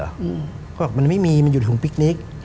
เขาบอกมันไม่มีมันอยู่ในถุงพิกนิก